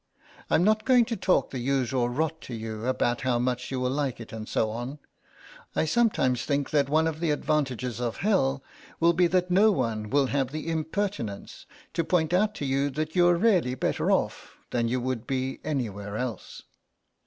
I'm not going to talk the usual rot to you about how much you will like it and so on. I sometimes think that one of the advantages of Hell will be that no one will have the impertinence to point out to you that you're really better off than you would be anywhere else.